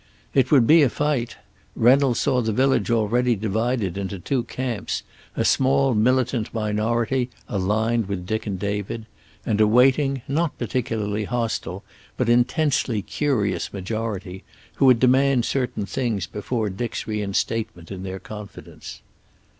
It would be a fight. Reynolds saw the village already divided into two camps, a small militant minority, aligned with Dick and David, and a waiting, not particularly hostile but intensely curious majority, who would demand certain things before Dick's reinstatement in their confidence.